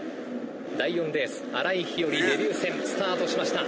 第４レース新井日和デビュー戦スタートしました。